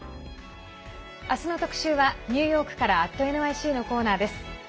明日の特集はニューヨークから「＠ｎｙｃ」のコーナーです。